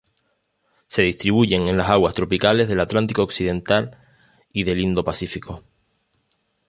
Se distribuyen en las aguas tropicales del Atlántico occidental y del Indo-Pacífico.